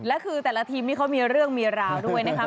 และคือแต่ละทีมนี่เขามีเรื่องมีราวด้วยนะคะ